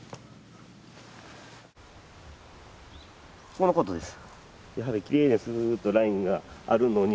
ここのことです。